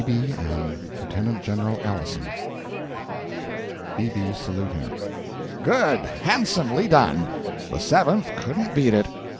BB AND LIEUTENANT GENERAL ALISON BB (saluting). "Good! handsomely done! The Seventh couldn't beat it!